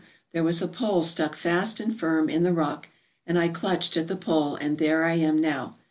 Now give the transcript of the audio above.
there was a pole stuck fast and firm in the rock, and I clutched at the pole, and there I am now.